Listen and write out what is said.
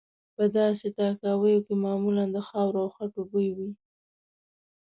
په داسې تاکاویو کې معمولا د خاورو او خټو بوی وي.